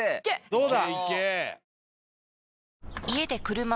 どうだ？